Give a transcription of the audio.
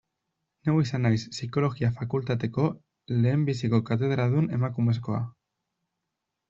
Neu izan naiz Psikologia fakultateko lehenbiziko katedradun emakumezkoa.